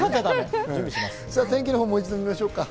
天気をもう一度見ましょう。